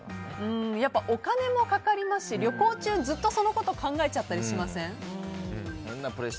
お金もかかりますし旅行中、ずっとそのこと考えちゃったりしません？